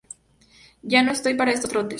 Ya no estoy para estos trotes